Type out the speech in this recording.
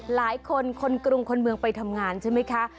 หลายคนคนกรุงคนเมืองไปทำงานใช่ไหมคะ